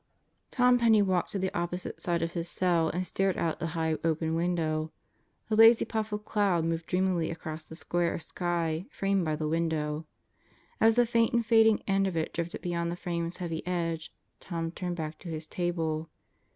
Tom Penney walked to the opposite side of his cell and stared out the high open window. A lazy puff of cloud moved dreamily across the square of sky framed by the window. As the faint and fading end of it drifted beyond the frame's heavy edge Tom turned back to his table